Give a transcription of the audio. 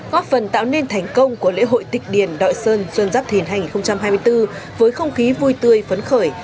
công của lễ hội tịch điển đội sơn xuân giáp thìn hai nghìn hai mươi bốn với không khí vui tươi phấn khởi